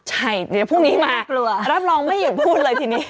ใช่เดี๋ยวพรุ่งนี้มารับรองไม่หยุดพูดเลยทีนี้